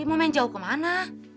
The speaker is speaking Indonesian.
mau main jauh kemana